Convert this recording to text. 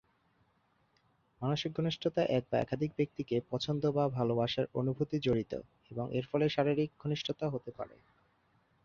মানসিক ঘনিষ্ঠতা এক বা একাধিক ব্যক্তিকে পছন্দ বা ভালোবাসার অনুভূতি জড়িত, এবং এর ফলে শারীরিক ঘনিষ্ঠতা হতে পারে।